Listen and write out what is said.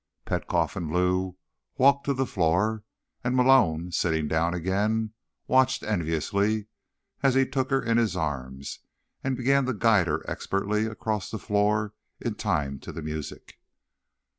Petkoff and Lou walked to the floor, and Malone, sitting down again, watched enviously as he took her in his arms and began to guide her expertly across the floor in time to the music.